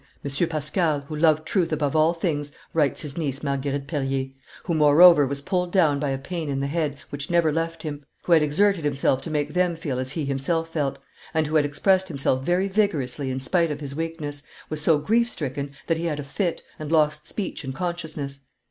"M. Pascal, who loved truth above all things," writes his niece, Marguerite Perier; "who, moreover, was pulled down by a pain in the head, which never left him; who had exerted himself to make them feel as he himself felt; and who had expressed himself very vigorously in spite of his weakness, was so grief stricken that he had a fit, and lost speech and consciousness.